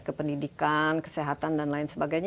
ke pendidikan kesehatan dan lain sebagainya